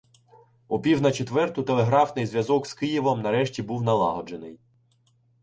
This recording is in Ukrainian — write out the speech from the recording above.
О-пів на четверту телеграфний зв’язок з Києвом, нарешті, був налагоджений.